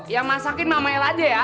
yang masakin mama el aja ya